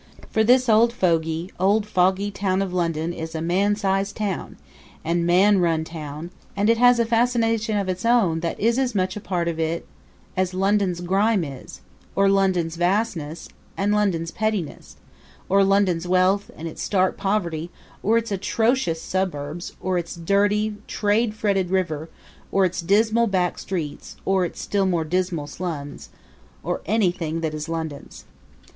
For this old fogy, old foggy town of London is a man sized town, and a man run town; and it has a fascination of its own that is as much a part of it as London's grime is; or London's vastness and London's pettiness; or London's wealth and its stark poverty; or its atrocious suburbs; or its dirty, trade fretted river; or its dismal back streets; or its still more dismal slums or anything that is London's.